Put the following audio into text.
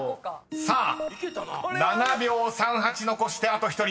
［さあ７秒３８残してあと１人。